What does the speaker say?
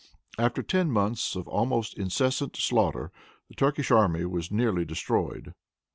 After ten months of almost incessant slaughter, the Turkish army was nearly destroyed.